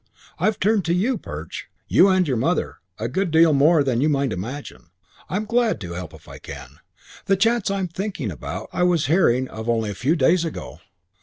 "I've turned to you, Perch, you and your mother, a good deal more than you might imagine. I'm glad to help if I can. The chance I'm thinking about I was hearing of only a few days ago.